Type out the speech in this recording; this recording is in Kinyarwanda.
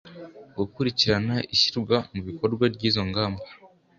gukurikirana ishyirwa mu bikorwa ry izo ngamba